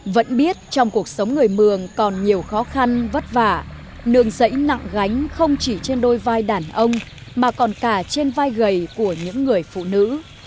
vẫn biết trong cuộc sống người mường còn nhiều khó khăn vất vả nương dãy nặng gánh không chỉ trên đôi vai đàn ông mà còn cả trên vai gầy của những người phụ nữ